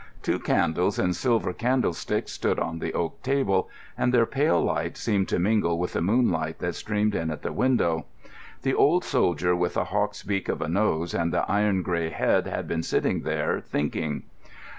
Two candles in silver candlesticks stood on the oak table, and their pale light seemed to mingle with the moonlight that streamed in at the window. The old soldier with the hawk's beak of a nose and the iron grey head had been sitting there thinking.